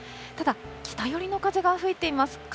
ただ北寄りの風が吹いています。